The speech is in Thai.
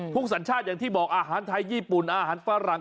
สัญชาติอย่างที่บอกอาหารไทยญี่ปุ่นอาหารฝรั่ง